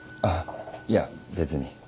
あっいや別に。